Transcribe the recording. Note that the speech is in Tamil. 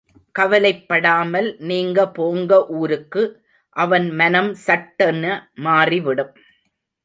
கவலைப்படாமல் நீங்க போங்க ஊருக்கு... அவன் மனம் சட்டென மாறிவிடும்.